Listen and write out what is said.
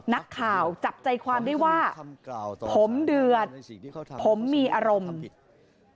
นักข่าวจับใจความได้ว่าผมเดือดผมมีอารมณ์นี่